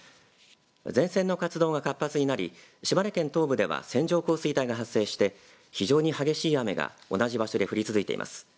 前線の活動が活発になり島根県東部では線状降水帯が発生して非常に激しい雨が同じ場所で降り続いています。